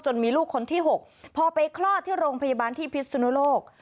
มีลูกคนที่๖พอไปคลอดที่โรงพยาบาลที่พิศนุโลก